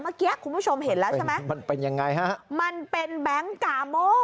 เมื่อกี้คุณผู้ชมเห็นแล้วใช่ไหมมันเป็นยังไงฮะมันเป็นแบงค์กาโม่